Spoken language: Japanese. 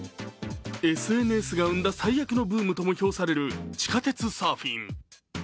ＳＮＳが生んだ最悪のブームとも評される地下鉄サーフィン。